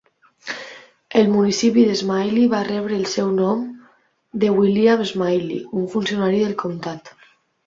El municipi de Smiley va rebre el seu nom de Wlliam C. Smiley, un funcionari del comtat.